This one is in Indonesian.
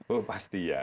oh pasti ya